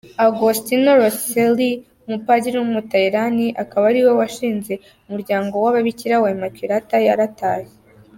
Agostino Roscelli, umupadiri w’umutaliyani akaba ariwe washinze umuryango w’ababikira wa Immaculata yaratashye.